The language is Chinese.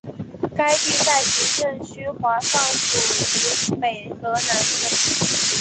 该地在行政区划上属于北荷兰省。